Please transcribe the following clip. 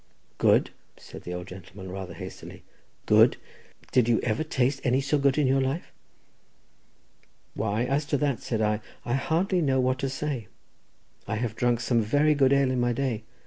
"Good," said the old gentleman rather hastily, "good; did you ever taste any so good in your life?" "Why, as to that," said I, "I hardly know what to say; I have drunk some very good ale in my day.